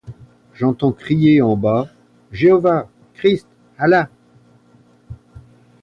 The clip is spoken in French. J’entends crier en bas, Jéhovah, Christ, Allah !